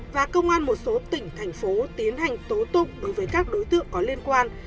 và công an một số tỉnh thành phố tiến hành tố tụng đối với các đối tượng có liên quan